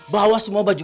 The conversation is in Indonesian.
bawa semua baju